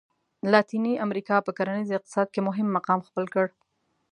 لاتیني امریکا په کرنیز اقتصاد کې مهم مقام خپل کړ.